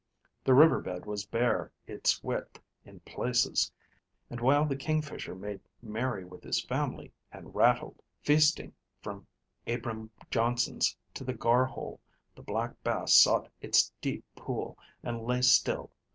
The river bed was bare its width in places, and while the Kingfisher made merry with his family, and rattled, feasting from Abram Johnson's to the Gar hole, the Black Bass sought its deep pool, and lay still.